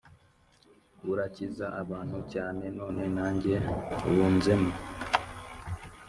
Burakiza abantu cyane none nanjye bunzemo